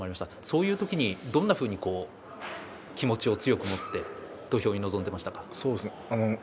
そういう時に、どんなふうに気持ちを強く持って土俵に臨んでいましたか。